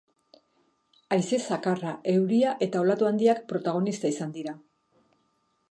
Haize zakarra, euria eta olatu handiak protagonista izan dira.